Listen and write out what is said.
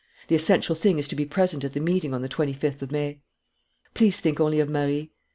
The essential thing is to be present at the meeting on the twenty fifth of May." "Please think only of Marie.